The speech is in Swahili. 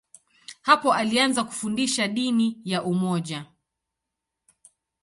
Hapo alianza kufundisha dini ya umoja.